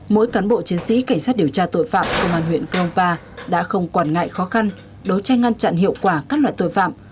mỗi cán bộ chiến sĩ cảnh sát điều tra tội phạm công an huyện krongpa đã không quản ngại khó khăn đối tranh ngăn chặn hiệu quả các loại tội phạm